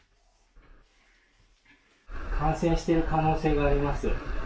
感染している可能性があります。